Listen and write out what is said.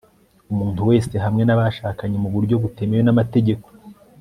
umuntu wese, hamwe n'abashakanye mu buryo butemewe n'amategeko